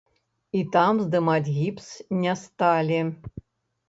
І там здымаць гіпс не сталі.